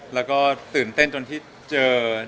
แล้วก็ตื่นเต้นจนที่เจอ